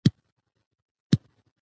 دوی له جنګیالیو سره مخ کیږي.